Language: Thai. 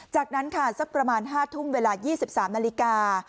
จากนั้นค่ะสักประมาณ๕ทุ่มเวลา๒๓นาฬิกา